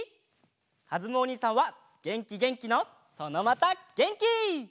かずむおにいさんはげんきげんきのそのまたげんき！